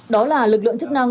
đó là lực lượng chức năng